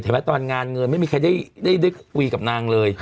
ตอนงานเงินไม่มีใครได้คุยกับนางเลย